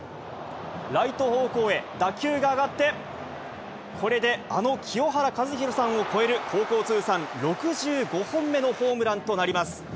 ライト方向へ、打球が上がって、これであの清原和博さんを超える、高校通算６５本目のホームランとなります。